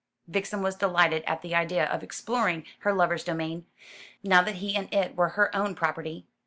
Vixen was delighted at the idea of exploring her lover's domain, now that he and it were her own property.